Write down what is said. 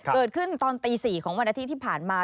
เปิดขึ้นตอนตี๔ของวันอาทิตย์ที่ผ่านมา